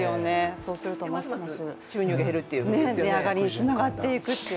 そうするとますます収入が減る値上がりにつながっていくという